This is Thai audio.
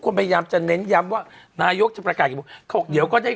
วันนี้ท่ั่วจะประกาศมั้ยครับครับคุณบริษัท